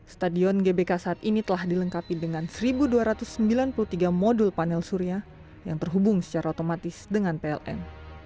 stadion gbk saat ini telah dilengkapi dengan satu dua ratus sembilan puluh tiga modul panel surya yang terhubung secara otomatis dengan pln